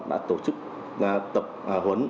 đã tổ chức tập huấn